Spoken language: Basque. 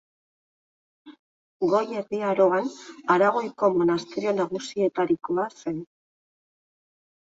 Goi Erdi Aroan, Aragoiko monasterio nagusietarikoa zen.